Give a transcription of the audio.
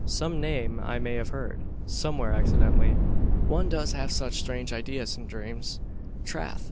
"Some name I may have heard somewhere, accidentally. One does have such strange ideas in dreams!" "Trath!